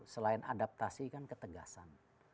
selain adaptasi kan ketegasan